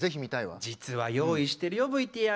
実は用意してるよＶＴＲ。